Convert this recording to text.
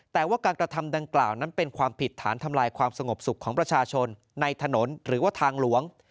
แต่ว่าการกระทำดังกล่าวนั้นเป็นความผิดฐานทำลายความสงบสุขของประชาชนในถนนหรือว่าทางหลวง